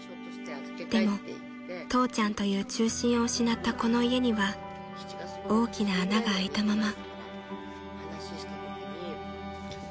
［でも父ちゃんという中心を失ったこの家には大きな穴があいたまま］